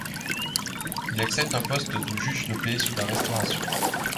Il accepte un poste de juge de paix sous la Restauration.